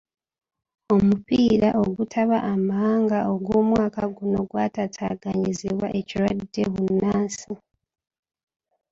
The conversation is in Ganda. Omupiira ogutaba amawanga ogw'omwaka guno gwataataaganyizibwa ekirwadde bbunansi.